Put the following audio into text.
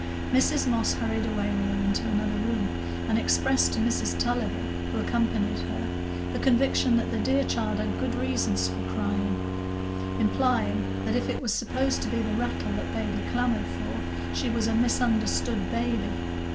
Mrs Moss hurried away with her into another room, and expressed to Mrs Tulliver, who accompanied her, the conviction that the dear child had good reasons for crying; implying that if it was supposed to be the rattle that baby clamored for, she was a misunderstood baby.